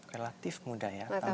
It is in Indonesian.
relatif muda ya